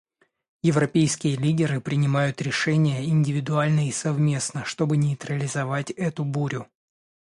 Европейские лидеры принимают решения, индивидуально и совместно, чтобы нейтрализовать эту бурю.